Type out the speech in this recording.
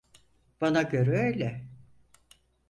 Bana göre öyle.